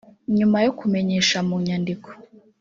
nyuma yo kumenyesha mu nyandiko